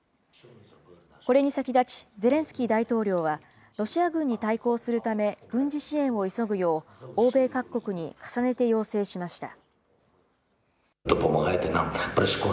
これに先立ち、ゼレンスキー大統領は、ロシア軍に対抗するため、軍事支援を急ぐよう、欧米各国に重ねて要請しました。